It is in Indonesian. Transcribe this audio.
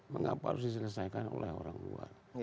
mengapa harus diselesaikan oleh orang luar